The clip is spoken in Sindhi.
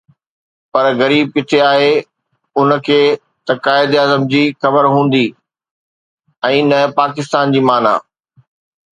پر غريب ڪٿي آهي، ان کي نه قائداعظم جي خبر هوندي ۽ نه پاڪستان جي معنيٰ.